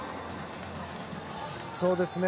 そうですね。